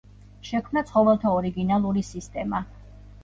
შექმნა ცხოველთა ორიგინალური სისტემა.